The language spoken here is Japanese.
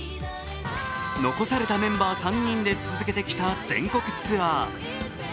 残されたメンバー３人で続けてきた全国ツアー。